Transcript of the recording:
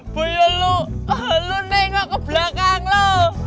boyo lu lu nengok ke belakang lo